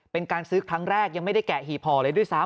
เป็นการซื้อครั้งแรกยังไม่ได้แกะหีบห่อเลยด้วยซ้ำ